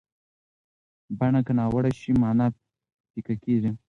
بڼه که ناوړه شي، معنا پیکه کېږي.